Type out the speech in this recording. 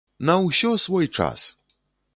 На ўсё свой час!